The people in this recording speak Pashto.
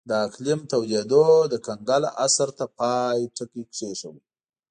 د اقلیم تودېدو د کنګل عصر ته د پای ټکی کېښود